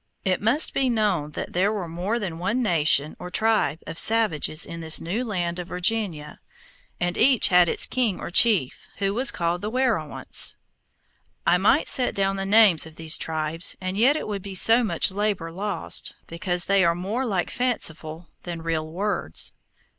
It must be known that there was more than one nation, or tribe, of savages in this new land of Virginia, and each had its king or chief, who was called the werowance. I might set down the names of these tribes, and yet it would be so much labor lost, because they are more like fanciful than real words.